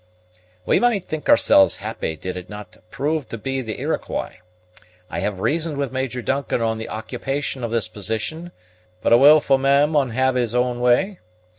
"We might think ourselves happy, did it not prove to be the Iroquois. I have reasoned with Major Duncan on the occupation of this position, but 'a wilfu' man maun ha' his way.'